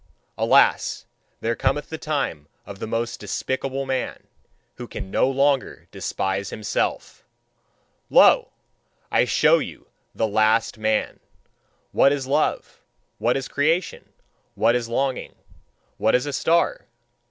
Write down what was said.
Alas! There cometh the time of the most despicable man, who can no longer despise himself. Lo! I show you THE LAST MAN. "What is love? What is creation? What is longing? What is a star?"